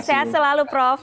sehat selalu prof